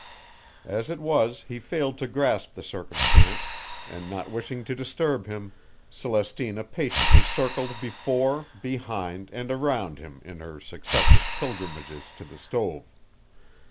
As it was he failed to grasp the circumstance, and not wishing to disturb him, Celestina patiently circled before, behind and around him in her successive pilgrimages to the stove.